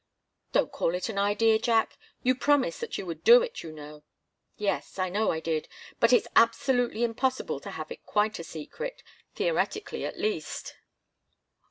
"Don't call it an idea, Jack. You promised that you would do it, you know." "Yes. I know I did. But it's absolutely impossible to have it quite a secret theoretically, at least."